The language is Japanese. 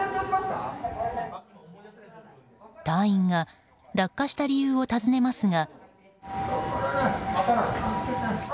隊員が落下した理由を尋ねますが。